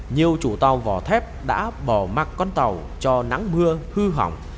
nhiều chủ tàu vỏ thép đã bỏ mặt con tàu cho nắng mưa hư hỏng